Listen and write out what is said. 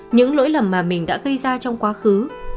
những lỗi lầm mà mình đã gây ra trong quá khứ